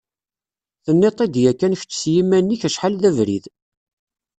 Tenniḍ-t-id yakan kečč s yiman-ik acḥal d abrid.